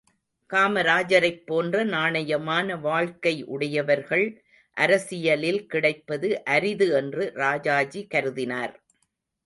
காமராஜரைப் போன்ற நாணயமான வாழ்க்கை உடையவர்கள் அரசியலில் கிடைப்பது அரிது என்று ராஜாஜி கருதினார்.